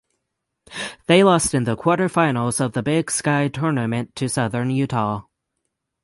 They lost in the quarterfinals of the Big Sky Tournament to Southern Utah.